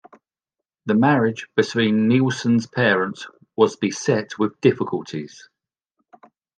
The marriage between Nilsen's parents was beset with difficulties.